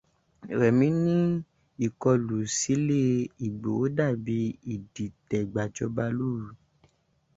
Rẹ̀mí ní ìkọlù sílé Ìgbòho dàbí ìdìtẹ̀ gbàjọba lóru.